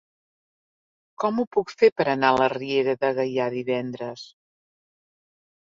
Com ho puc fer per anar a la Riera de Gaià divendres?